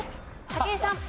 武井さん。